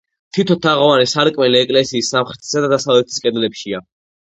თითო თაღოვანი სარკმელი ეკლესიის სამხრეთისა და დასავლეთის კედლებშია.